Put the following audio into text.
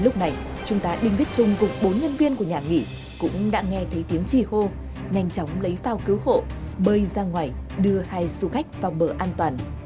trước này chúng ta đình viết chung cùng bốn nhân viên của nhà nghỉ cũng đã nghe thấy tiếng trì hô nhanh chóng lấy phao cứu hộ bơi ra ngoài đưa hai du khách vào bờ an toàn